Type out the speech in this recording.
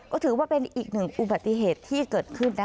ก็ถือว่าเป็นอีกหนึ่งอุบัติเหตุที่เกิดขึ้นนะคะ